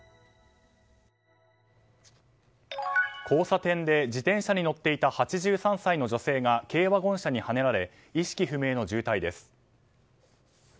交差点で自転車に乗っていた８３歳の女性が軽ワゴン車にはねられ意識不明の重体です。